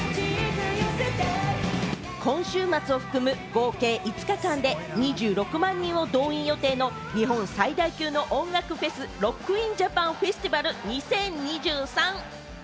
今週末を含む合計５日間で２６万人を動員予定の日本最大級の音楽フェス、ＲＯＣＫＩＮＪＡＰＡＮＦＥＳＴＩＶＡＬ２０２３。